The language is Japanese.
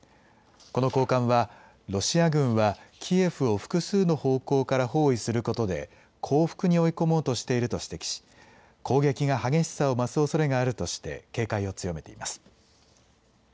この高官は、ロシア軍はキエフを複数の方向から包囲することで降伏に追い込もうとしていると指摘し攻撃が激しさを増すおそれがあるとして警戒を強めています。